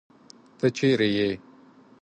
تۀ چېرې ئې ؟